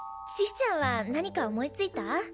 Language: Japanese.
ちぃちゃんは何か思いついた？